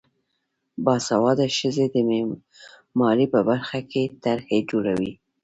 باسواده ښځې د معماری په برخه کې طرحې جوړوي.